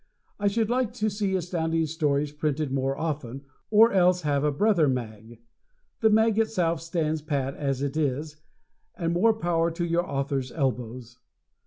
I should like to see Astounding Stories printed more often, or else have a brother mag. The mag itself stands pat as it is, and more power to your authors' elbows!